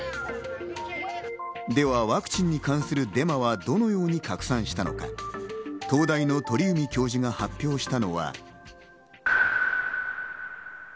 ではワクチンに関するデマはどのように拡散したのか、東大の鳥海教授が発表したのは。